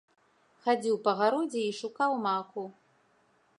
Хадзіў па гародзе і шукаў маку.